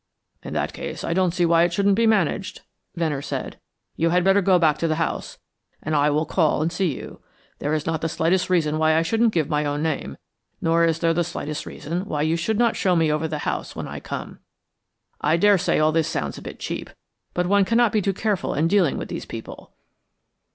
"In that case, I don't see why it shouldn't be managed," Venner said. "You had better go back to the house, and I will call and see you. There is not the slightest reason why I shouldn't give my own name, nor is there the slightest reason why you should not show me over the house when I come. I daresay all this sounds a bit cheap, but one cannot be too careful in dealing with these people."